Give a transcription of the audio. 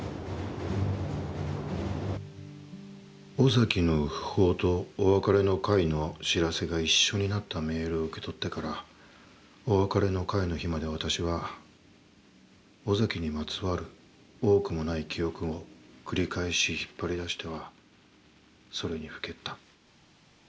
「尾崎の訃報とお別れの会の知らせが一緒になったメールを受け取ってからお別れの会の日まで私は尾崎にまつわる多くもない記憶を繰り返し引っ張り出してはそれに耽った。